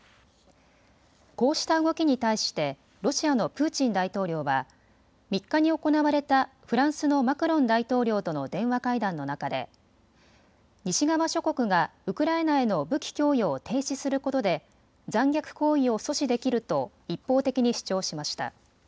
こうした動きに対してロシアのプーチン大統領は３日に行われたフランスのマクロン大統領との電話会談の中で西側諸国がウクライナへの武器供与を停止することで残虐行為を阻止できると一方的に主張しました。